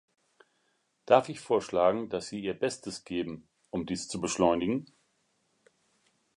Darf ich vorschlagen, dass Sie Ihr Bestes geben, um dies zu beschleunigen?